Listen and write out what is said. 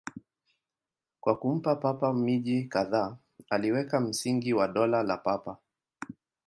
Kwa kumpa Papa miji kadhaa, aliweka msingi wa Dola la Papa.